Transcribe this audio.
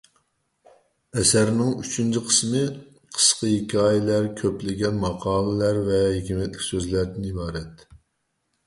ئەسەرنىڭ ئۈچىنچى قىسمى قىسقا ھېكايىلەر، كۆپلىگەن ماقالىلەر ۋە ھېكمەتلىك سۆزلەردىن ئىبارەت.